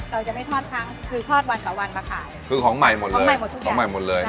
เราจะไม่ทอดครั้งคือทอดวันต่อวันมาขายคือของใหม่หมดเลยของใหม่หมดทุกอย่างของใหม่หมดเลย